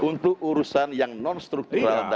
untuk urusan yang non struktural dan kultural